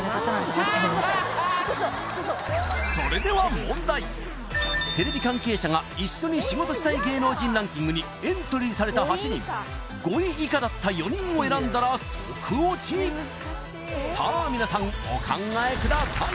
ちょっとそれでは問題テレビ関係者が一緒に仕事したい芸能人ランキングにエントリーされた８人５位以下だった４人を選んだらソクオチさあみなさんお考えください